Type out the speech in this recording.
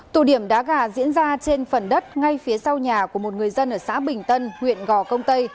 tụ điểm đá gà diễn ra trên phần đất ngay phía sau nhà của một người dân ở xã bình tân huyện gò công tây